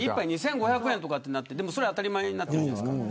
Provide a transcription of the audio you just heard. １杯２５００円とかになっていてそれが当たり前になってるじゃないですか。